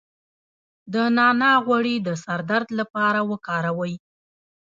د نعناع غوړي د سر درد لپاره وکاروئ